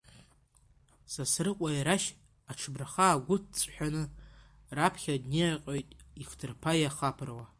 Сасрыҟәа ирашь аҽԥырха агәыҵҳәаны, раԥхьа дниаҟьоит ихҭырԥа ихаԥыруа!